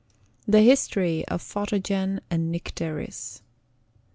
THE HISTORY OF PHOTOGEN AND NYCTERIS.